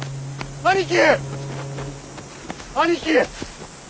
兄貴！